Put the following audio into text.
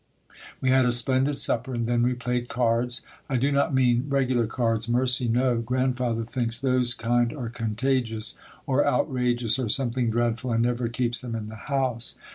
We had a splendid supper and then we played cards. I do not mean regular cards, mercy no! Grandfather thinks those kind are contagious or outrageous or something dreadful and never keeps them in the house.